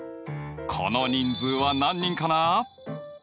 この人数は何人かな？